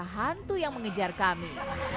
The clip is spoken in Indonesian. hantu yang mengejar kami